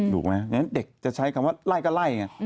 อย่างนั้นเด็กจะใช้คำว่าไล่ก็ไล่